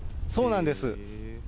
そうなんです。